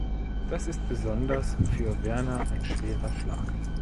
Das ist besonders für Werner ein schwerer Schlag.